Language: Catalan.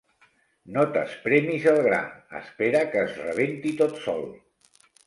No t'espremis el gra: espera que es rebenti tot sol.